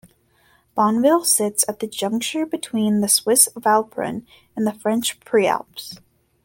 Bonneville sits at the juncture between the Swiss Voralpen and the French Prealps.